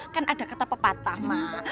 kan ada kata pepatah